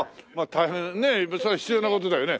大変ねえそれは必要な事だよね。